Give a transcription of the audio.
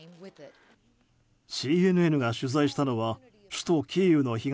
ＣＮＮが取材したのは首都キーウの東